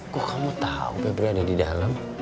kuh kamu tahu feber ada di dalam